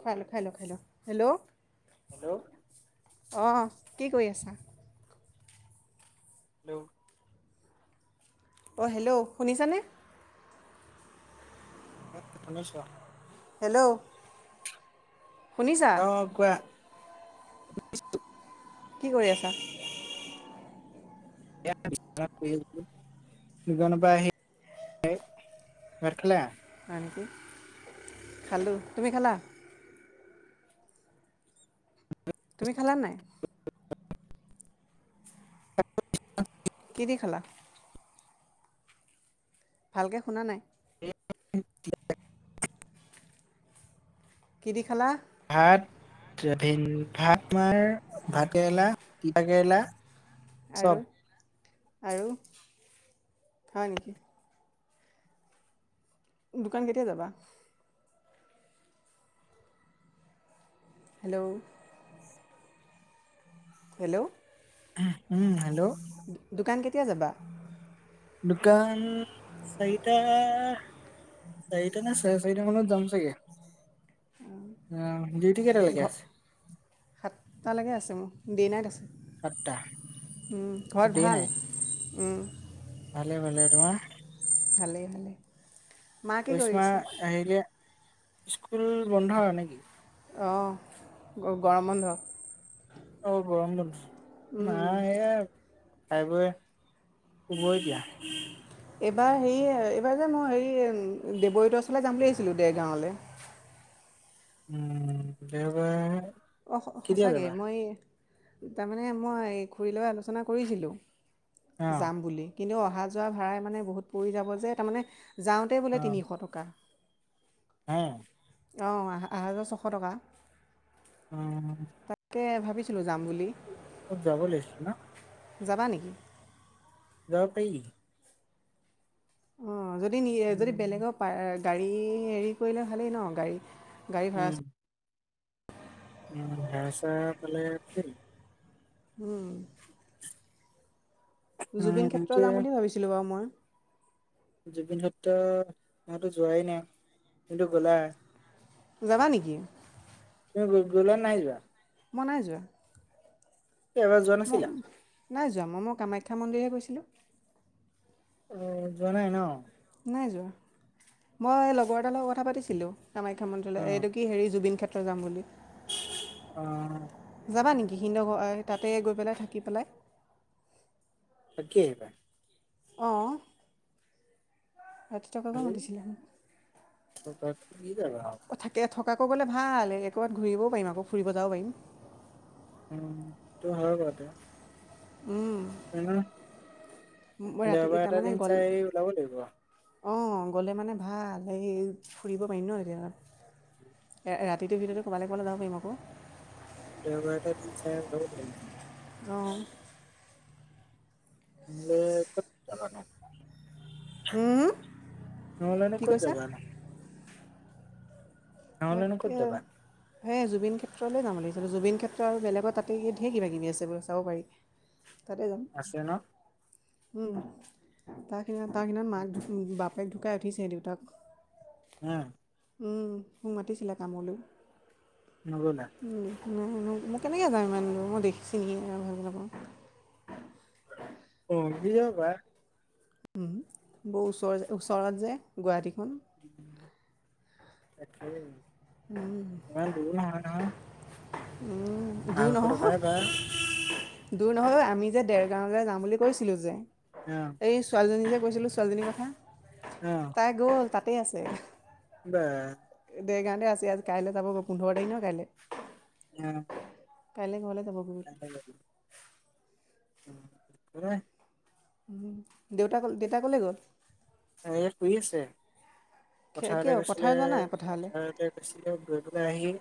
খাই ল খাই ল খাই ল, হেল্ল'? হেল্ল'? অহ, কি কৰি আছা? হেল্ল'? অঁ হেল্ল' শুনিছানে? [inaudible] শুনিছো অ। হেল্ল'? শুনিছা অহ কোৱা? কি কৰি আছা? এয়া বিছনাত শুই আছো। দু জনৰ আহি [unintelligible] ভাত খালে? হয় নেকি? খালোঁ, তুমি খালা? তুমি খালা নে নাই? [unintelligible] [unintelligible] কি দি খালা? ভালকে শুনা নাই? এই [unintelligible] কি দি খালা? ভাত, তে ভেন ভাত তোমাৰ ভাত কেৰেলা, তিতা কেৰেলা চব আৰু আৰু হয় নেকি? দোকান কেতিয়া যাবা? হেল্ল'? হেল্ল'? উহু উম হেল্ল'? দো - দোকান কেতিয়া যাবা? দোকান চাৰিটা চাৰিটা না চাৰে চাৰিটা মানত যাম চাগে? উম। অ, ডিউটি কেইটা লৈকে আছে? সাতটালৈকে আছে মোৰ, ডি নাইট আছে। সাতটা উম ঘৰত দেৰি নাই ভাল? উম। ভালে - ভালে, তোমাৰ? ভালে - ভালে। কৰিশ্মা হেৰিয়া, স্কুল বন্ধ নেকি? অঁহ, গ গৰম বন্ধ। অ গৰম বন্ধ। উম, নাই এই খাই বই শুবই দিয়া। উ [inaudible] এইবাৰ হেৰি এইবাৰ যে মই হেৰি দেৱজিৎ ৰ ওচৰলে যাম বুলি আহিছিলোঁ দেৰগাঁৱলে। উম' দেৱবায়- অঁ অহা সঁচাকে মই তাৰমানে মই খুৰীলৈ আলোচনা কৰিছিলোঁ। অ', যাম বুলি কিন্তু অহা যোৱা ভাড়াই মানে বহুত পৰি যাব যে তাৰ মানে যাওঁত- তাতে বোলে তিনিশ টকা- এঁ। অঁ আহা যোৱা ছশ টকা। উম' তাকে ভাবিছিলোঁ যাম বুলি। অত যাব লাগিছে ন। যাবা নিকি? যাব পাৰি। অঁ যদি যদি উম, বেলেগৰ গাড়ী হেৰি কৰিলে ভালেই ন গাড়ী- গাড়ী ভাড়া উম, চা- উম' ভাড়া চাৰা পালে ভালেই। উম' জুবিন উম, ক্ষেত্ৰ এতিয়া যাম বুলি ভাবিছিলোঁ বাও মই। জুবিন ক্ষেত্ৰ ময়তো যোৱাই নাই তুমিতো গ'লা। যাবা নিকি? তুমি গ গ'লা নে নাই যোৱা। মই নাই যোৱা। কি এবাৰ যোৱা ম নাছিলা? নাই যোৱা মই মই কামাখ্যা মন্দিৰহে গৈছিলোঁ। অ যোৱা নাই ন। নাই যোৱা, মই লগৰ এটাৰ লগত কথা পাতিছিলোঁ। কামাখ্যা মন্দিলয় উম, এইটো কি হেৰি জুবিন ক্ষেত্ৰ যাম বুলি। অঁ' যাবা নেকি সিন্দ ঘ তাতে গৈ পেলাই থাকি পেলাই। থাকি আহিবা। অঁ অ! ৰাতি থকাকে এই মাতিছিলে, থকাকে কি যাবা আৰু। অঁ থাক- কে থকাকৈ গ'লে ভাল এ কবাত ঘূৰিব পাৰিম আকৌ ফুৰিব যাব পাৰিম। উম' তোৰ হয় বাও এতিয়া। উম' এনেও দেওবাৰ এটা তাৰমানে দিন গ'ল চাই আহি ওলাবৈ লাগিব। অঁ গ'লে মানে ভাল এই ফুৰিব পাৰিম ন এতিয়া। এ এ ৰাতিটো ভিতৰতে ক'বাল কবালে যাব পাৰিম আক। দেওবা এটা দিন চাই‌ ল- অঁ। ময় কত- অঁ নহলেনো কি কত কৈছা যাবা নো। নহ'লেনো ক'ত তাকে, যাবা সেই জুবিন ক্ষেত্ৰলৈ যাম বুলি ভাবিছিলোঁ জুবিন ক্ষেত্ৰ আৰু বেলেগৰ তাতে ধেৰ কিব কিবি আছে বুলে চাব পাৰি। তাতে যাম। আছে ন উম' তাক সিনান তাক সিনান মাক বাপেক ঢুকাই উঠিছেহে দেউতাক- উম' উম মোক মাতিছিলে কামলৈ। নগ'লা? উম, মই কেনেকৈ যাওঁ ইমান দূৰ মই দেখিছোঁ নেকি চিনিয়ে ভালকে নাপাওঁ। অ নিজ হবা [unintelligible] উম বহু ওচৰ যে ওচৰত যে গুৱাহাটী খন। তাকেই। উম। [unintelligible] নহয় উম দূৰ আঢ়ৈশ টকাই ভাড়া নহয়। দূৰ নহয় ঐ আমি যে দেৰগাঁৱলে যাম বুলি কৈছিলো যে অ এই ছোৱালীজনী যে কৈছিলোঁ ছোৱালীজনীৰ কথা অহ। তাই গ'ল তাতে আছে। বাহ দেৰগাঁৱতে আছে আজি কাইলে যাব গৈ পোন্ধৰ তাৰিখ নহয় কাইলে। অঁ। কাইলে ঘৰলে যাব কাইলে যাব [unintelligible] উম, দেউতা ক'লে দেউতা ক'লে গ'ল? এই শুই আছে। পথাৰলে কিয় গৈছিলে পথাৰ যোৱা নাই পথাৰলৈ পথাৰলে গৈছিলে গৈ পেলাই আহি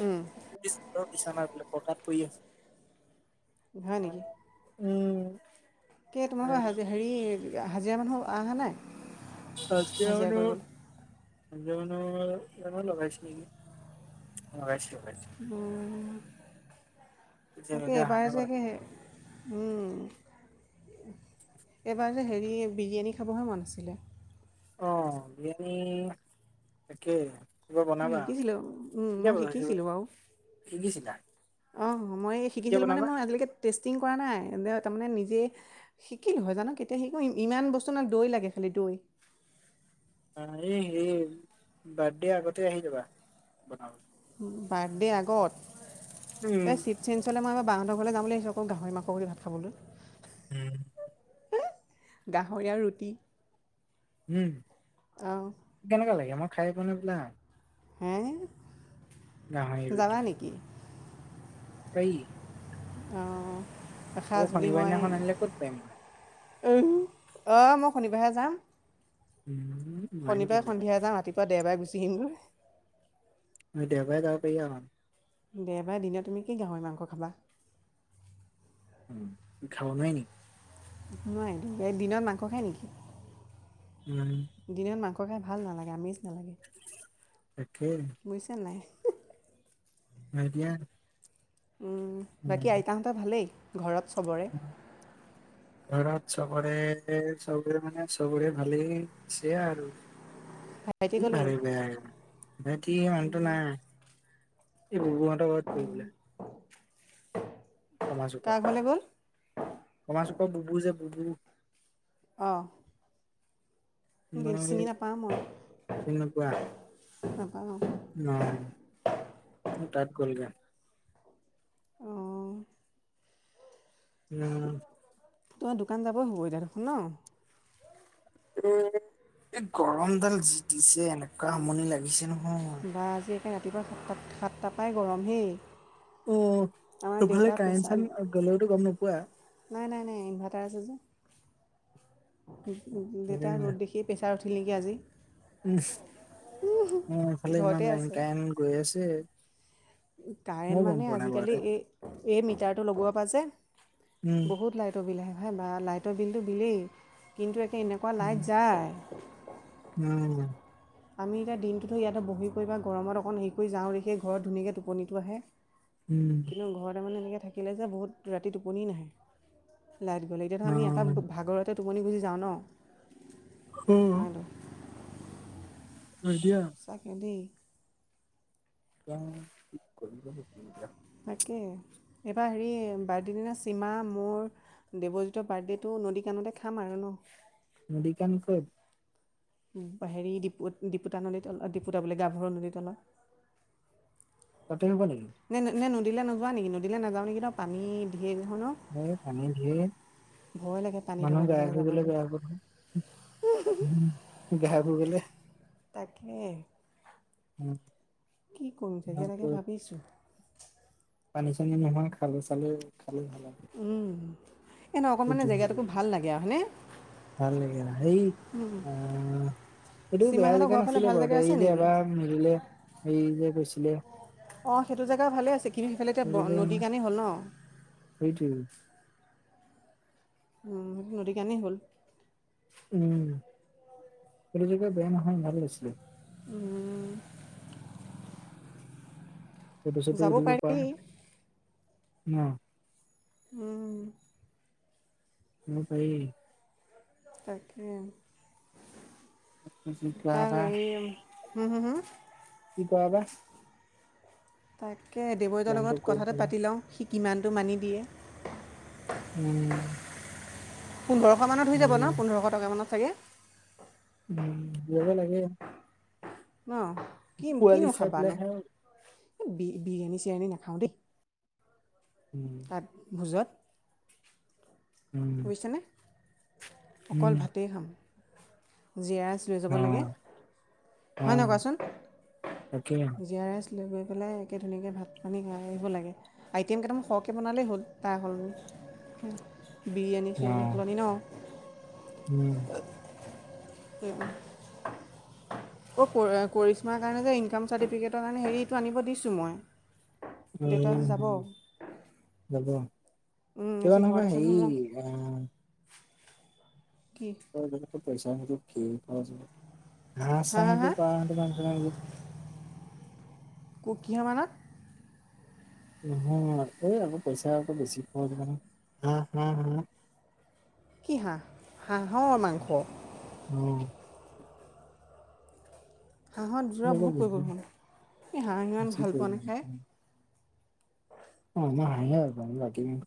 উম। বিছনা পকাত পৰি আছে [unintelligible] হয় নেকি? উম। কি তোমালোকৰ হাজি হেৰী হাজিৰা মানুহ অহা নাই? হাজিৰা মানুহ হাজিৰা মানুহ কেইটামান লগাইছে নেকি? লগাইছে লগাইছে। অহ তাকে এতিয়ালৈকে অহা এবাৰ নাই যে বাৰু উম, এইবাৰ যে হেৰী বিৰিয়ানী খাবহে মন আছিলে। অ বিৰিয়ানী তাকে। কিবা মই বনাবা শিকিছিলোঁ উম কেতিয়া মই বনাবা? শিকিছিলোঁ বাৰু শিকিছিলা অঁ মই এই কেতিয়া শিকিছিলোঁ মানে বনাবা মই আজিলৈকে টেষ্টিং কৰা নাই তাৰমানে নিজে শিকিলোঁ হয় জানো কেতিয়া শিকোঁ ই ইমান বস্তু না দৈ লাগে খালি দৈ। অঁ এই সেই বাৰ্থদে আগতে আহি যাবা বনাবলে। উম বাৰ্থদে আগত এ উম চি চিনচলে মই মই বাহঁতৰ ঘৰলে যাম বুলি ভাবিছোঁ আকৌ গাহৰি মাংস কৰি ভাত খাবলৈ। উম। গাহৰি আৰু ৰুটি। উম, অঁ কেনেকুৱা লাগে মই খাই পনে বোলা হে? গাহৰি যাবা এইৰিটি [unintelligible] নেকি পায়ি। অৱ, ৰাখা আকৌ যদি শনিবাৰ মই দিনাখন আনিলে ক'ত পাৰিম মই অ মই শনিবাৰেহে যাম। উম। নোৱাৰিম শনিবাৰে তেন্তে সন্ধিয়া বাৰ্থডে। যাম, ৰাতিপুৱা দেওবাৰ গুচি আহিম। মই দেওবাৰে যাব পাৰি আও। দেওবাৰে দিনে তুমি কি গাহৰি মাংস খাবা। উম, খাব নোৱাৰি নেকি? নাই, দিনত মাংস খায় নেকি? উম। দিনত মাংস খাই ভাল নালাগে, আমেষ নালাগে। একেই। বুইছা নাই? আইডিয়া। বাকী আইতাহঁতৰ ভালেই ঘৰত চবৰে। ঘৰত চবৰে চবৰে মানে চবৰে ভালেই আছে আৰু। ভাইটি কি ক'লৈ গ'ল ভাবিবা আৰু ভাইটি মানুহতটো নাই। এই বোবো হেতৰ ঘৰত গ'ল বোলে। [unintelligible] কমা চুপা কাৰ ঘৰলৈ গ'ল কমা চুপা বুবু যে বুবু অৱ। দিন মই চিনি নাপাওঁ মই, নাপাওঁ। নাই অ তাত গলগে। অঁ উম। তোমাৰ দোকান যাব হ'বই এতিয়া দেখোন ন। এ এ গৰম ডাল যি দিছে এনেকুৱা আমনি লাগিছে নহয়। ধৰা আজি একে ৰাতিপুৱা সাতাত সাতট পাই গৰম হেই। অ আমাৰ তোকফালে দেউতাৰ কাৰেন প্ৰেছাৰ চাৰেন গ'লেতো গম নোপোৱা। নাই নাই নাই ইনভাৰ্টাৰ আছে যে, দেউতা উম ৰ'দ দেখি প্ৰেছাৰ উঠিল নেকি আজি। উ এফালে ইমান ঘৰতে লাইন আছে কাইন গৈ আছে। মইও কাৰেণ্ট গম মানে পোৱা নাই আজিকালি বাৰুতে এই এই মিটাৰটো লগোৱা পৰা যে উম বহুত লাইট লাইটৰ বিলহে ভাই বা লাইটৰ বিলটো বিলেই কিন্তু একে এনেকুৱা উম লাইট যায়। উম। আমি এতিয়া দিনটোতো ইয়াতে বহি কৰি বা গৰমত অকণ হেৰি কৰি যাওঁ দে সেই ঘৰত ধুনীয়াকৈ টোপনিটো আহে। উম। কিন্তু ঘৰতে মানে এনেকে থাকিলে যে বহুত ৰাতি টোপনি নাহে। লাইট গ'লে অ এতিয়াতো আমি এটা ভাগৰতে টোপনি গুচি যাওঁ ন। উম। হয়তো থৈ দিয়া। চাকে দেই। [unintelligible] কি কৰিবা [inaudible] তাকে এইবাৰ হেৰি বাৰ্ড দে দিনা চীমা মোৰ দেৱজিতৰ বাৰ্ডে'টো নদী কাণতে খাম আৰু ন। নদীকান ক'ত? হেৰী ডপু ডিপুতানলী অ ডিপুতাবোলে গাভৰু নদীতলত। ততে শুবা নেকি নে নে নদীলে নযোৱা নেকি নদীলে নাযাওঁ নেকি তাৰ পানী ঢেৰ দেখোন অ এই পানী ধিয়ে লাগে পানী থকা মানুহে গাই জেগালৈ ফুই গলে যাবলৈ বেয়া আক উম বেহা পুইবলে তাকে। উম। কি কৰিম চাগে তোমাৰ ক'ত এনেকে ভাবিছোঁ। পানী চানী নহয় খালে চালে খালে ভাল হয়। উম এ ন অকণমানি জেগাটোকো ভাল লাগে আৰু হয়নে? ভাল লাগে সেই অ' সেইটো বেয়া সীমাহঁতৰ জেগা ঘৰৰ ফালে নাছিলে ভাল বাৰু জেগা এই আছে যে নেকি এবাৰ সম মিলিলে সেই যে গৈছিলে। অ সেইটো জেগা ভালে আছে কি সেইফালেটো নদী কানে হ'ল ন। সেইটোয়ে। উম সেইটো কাণে হ'ল উম সেটো জেগা বেয়া নহয় ভাল লৈছে। উম ফটো ছটো উঠিব পাৰে ন উম ন তাই তাকে কি কৰা কাক বা এইম হুম হুম হুম। কি কাৱা বা? তাকে দেবইতৰ প্লেনটো লগত ক'ত কথাটো বনাই পাতি লওঁ সি কিমানটো মানি দিয়ে? উম। পোন্ধৰশ মানত হৈ যাব ন উম পোন্ধৰশ টকা মানত চাগে। উম যাব লাগে। ম কিন পোৱালি কিনো চাই খাবানো এ পেলাইহে বি বিৰিয়ানী চিৰিয়ানী নাখাওঁ দে। উম। ভোজাত উম, বুইছানে অকল উম, ভাতেই খাম জিৰা লৈ যাব লাগে অ', হয় নই অ', কোৱাচোন তাকে জি আৰ এছ লৈ গৈ পেলাই একে ধুনীয়াকৈ ভাত পানী খাই আহিব লাগে। আইটেম কেইটামান সৰহকে বনালে হ'ল তা সলনি বিৰিয়ানী চিৰিয়ানী অ', সলনি ন। উম। উম উম। অ কৰ কৰিশ্মাৰ কাৰণে যে ইনকাম চাৰ্টিফিকেটৰ কাৰণে হেৰিটো আনিব দিছোঁ মই। দেউতা যাব উম' লাগে তয় আজি ঘৰত নহবা আছে নহয় হেৰি মই না কি? [unintelligible] পইচা [unintelligible] কি হা হা হা [unintelligible] [unintelligible] ক কিহৰ মানত। নহয় এই আকো পইচা আকো বেছি খজ নহয় হা হা হা' কি হা হাঁহৰ মাংস। উম। হাঁহত যোৰা অলপ বহুত বেছি পৰিব [unintelligible] এ হাঁহ ইমান বেছি ভাল পোৱা পৰিব নে খায়। অৱ ম‌ই হাহি এই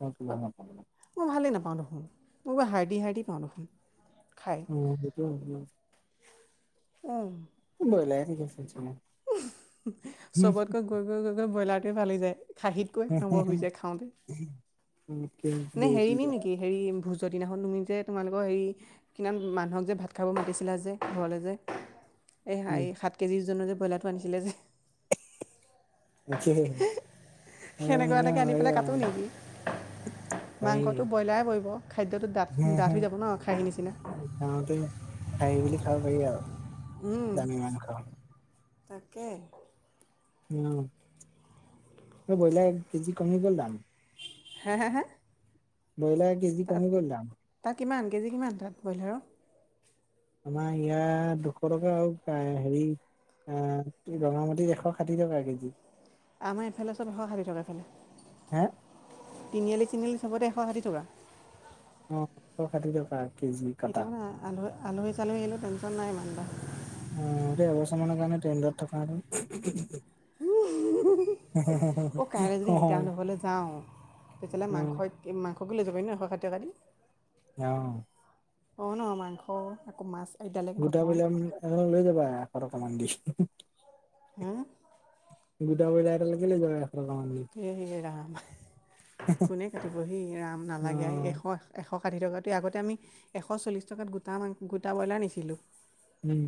উঠে, [unintelligible] মই ভালেই নাপাওঁ দেখোন মই কিবা হাৰডি হাৰডি পাওঁ দেখোন খাই। উম সেইটো হয় ন। অৱ। ব্ৰ‌ইলাৰে ঠিক আছে [unintelligible] উম, চবতকৈ গৈ গৈ গৈ গৈ ব্ৰইলাৰটোৱে ভাল লাগি যায়। খাহীতকৈ এক নম্বৰ হৈ যায় খাওঁতে নে হেৰি ন নেকি হেৰি ভুজ [unintelligible] খন তুমি যে তোমালোকৰ হেৰি কিমান মানুহক যে ভাত খাব মাতিছিলা যে ঘৰলৈ যে। এই হাৰি এই সাত কেজিজনো যে ব্ৰইলাৰটো আনিছিলে যে। তাকে সেইকাৰণে সেনেকুৱা এটাকে আনি হেৰি পেলাই কাটো আৰু নেকি? পাৰি মাংসটো ব্ৰইলাৰ পৰিব খাদ্যযটো ডাঠ ডাঠ হৈ যাব ন খাহীৰ নিচিনা। খাওঁতে খাহী বুলি খাব পাৰি আও। উম তাকে। উম ব্ৰইলাৰ এককেজি কমি গ'ল দাম। হে হে হে ব্ৰলাই তাত তাত কিমান কেজি কিমান তাত ব্ৰইলাৰৰ? আমাৰ ইয়াত দুশ টকা আৰু হেৰি। এ ৰঙামাটিত এশ ষাঠি টকা কেজি। আমাৰ এইফালে চব এশ ষাঠি টকা এফালে। হে তিনিআলি চনিআলি চবতে এশ ষাঠি টকা। অ এশ ষাঠি টকা কেজি। কটা এতিয়া মানে আলহী আলহী চালহী আহিলও টেনচন নাই ইমান এটা। অৱ এইটো এবছৰ মানৰ কাৰণে ট্ৰেণ্ডত থকা হেতেন। অ' কাইলৈ যদি অ আইতাহতৰ ঘৰলৈ যাওঁ তেতিয়াহ'লে অ মাংসই মাংসকে লৈ যাবি ন এশ ষাঠি দি। অৱ। অ ন মাংস আকৌ মাছ। আইতালেকে গোটা নহয় ব্ৰ‌ইলাকে লৈ যাবা এশ টকামান দি। উম। গোটা ব্ৰ‌ইলা এটাকে লৈ যাব এশ টকা মান দি। হে ৰাম কোনে কাটিবহি ৰাম অ নালাগে এশ এশ ষাঠি টকাতোৱে আগতে আমি এশ চল্লিছ টকাত গোটা মাং গোটা ব্ৰইলাৰ নিছিলোঁ। উম।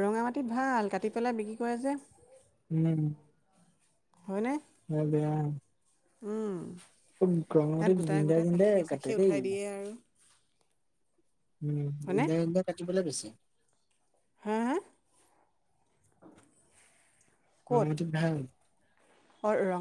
ৰঙা মাটিত ভাল কাটি পেলাই বিক্ৰী কৰে যে। উম। হয়নে। হয় বেয়া। উম। বহুত গৰমটো জিন্দাই জিন্দাই চাখিয়ে কাটে দেই। [unintelligible] উম হয়নে জিন্দাই জিন্দাই কাটি বলৈ বেছি। হা হা? মোৰ মতে ভাল। অৰ ৰ